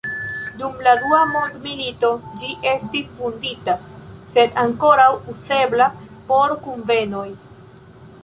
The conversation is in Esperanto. Dum la Dua Mondmilito ĝi estis vundita, sed ankoraŭ uzebla por kunvenoj.